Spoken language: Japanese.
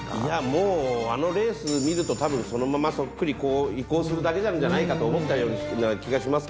もうあのレース見るとたぶんそのままそっくり移行するだけなんじゃないかと思ったような気がしますけどね。